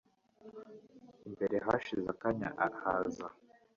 imbere hashize akanya haza